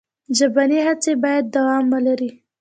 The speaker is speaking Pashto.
ژبنۍ هڅې باید دوام ولري.